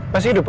masih hidup kan